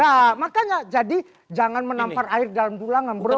ya makanya jadi jangan menampar air dalam tulangan bro